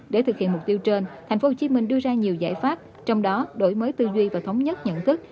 để thực hiện mục tiêu trên tp hcm đưa ra nhiều giải pháp trong đó đổi mới tư duy và thống nhất nhận thức